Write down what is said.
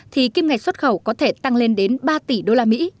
thì kim ngạch xuất khẩu có thể tăng lên đến ba tỷ usd